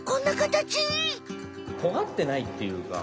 とがってないっていうか。